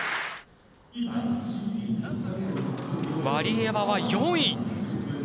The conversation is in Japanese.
ワリエワは４位！